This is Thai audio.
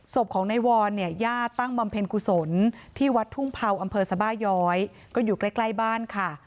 ศพของนายวอนเนี่ยญาติตั้งบำเพ็ญกุศลที่วัดทุ่งเผาอำเภอสบาย้อยก็อยู่ใกล้บ้านค่ะ